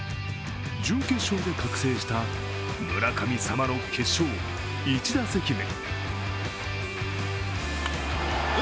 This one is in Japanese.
準決勝で覚醒した村神様の決勝１打席目。